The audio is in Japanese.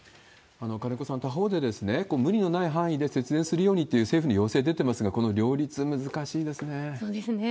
金子さん、他方で、無理のない範囲で節電するようにって政府の要請出てますが、このそうですね。